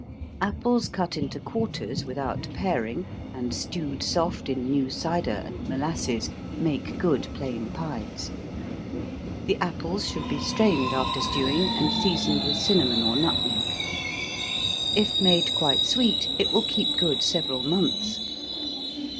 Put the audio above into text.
Apples cut into quarters, without paring, and stewed soft in new cider and molasses, make good plain pies. The apples should be strained after stewing, and seasoned with cinnamon or nutmeg. If made quite sweet, it will keep good several months.